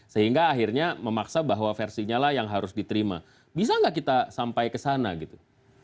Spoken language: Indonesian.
sehingga akhirnya memaksa bahwa versinya lah yang harus diterima bisa nggak kita sampai ke sana gitu